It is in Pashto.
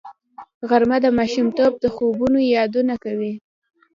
غرمه د ماشومتوب د خوبونو یادونه کوي